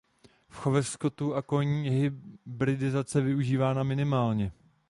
V chovech skotu a koní je hybridizace využívána minimálně.